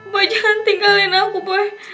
boy jangan tinggalin aku boy